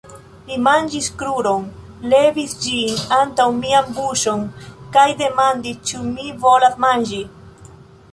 Li manĝis kruron, levis ĝin antaŭ mian buŝon kaj demandis ĉu mi volas manĝi.